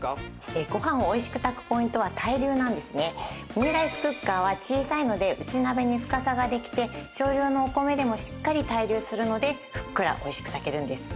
ミニライスクッカーは小さいので内鍋に深さができて少量のお米でもしっかり対流するのでふっくら美味しく炊けるんです。